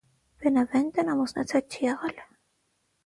Բենավենտեն ամուսնացած չի եղել։